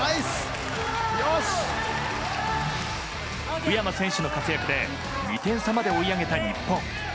宇山選手の活躍で２点差まで追い上げた日本。